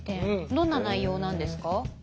どんな内容なんですか？